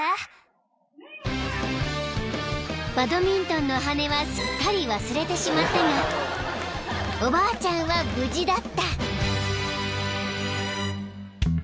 ［バドミントンの羽根はすっかり忘れてしまったがおばあちゃんは無事だった］